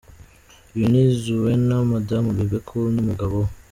Uyu ni Zuena madamu Bebe Cool n’umugabo we.